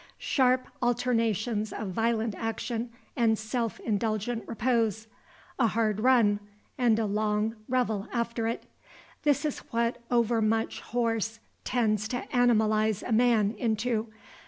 Sharp alternations of violent action and self indulgent repose; a hard run, and a long revel after it; this is what over much horse tends to animalize a man into.